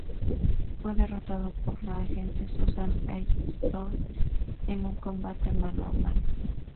Fue derrotado por la agente Susan "Ace" Storm en un combate mano a mano.